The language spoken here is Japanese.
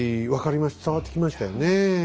伝わってきましたよねえ。